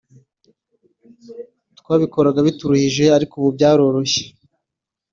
twabikoraga bituruhije ariko ubu byaroroshye